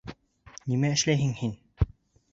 Нимә эшләйһең һин?